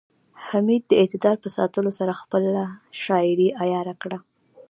حمید د اعتدال په ساتلو سره خپله شاعرۍ عیاره کړه